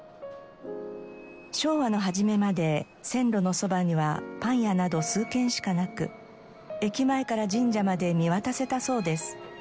昭和の初めまで線路のそばにはパン屋など数軒しかなく駅前から神社まで見渡せたそうです。